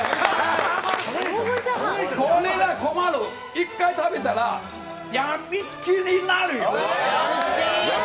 １回食べたらやみつきになるよ。